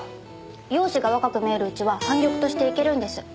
容姿が若く見えるうちは半玉としていけるんです。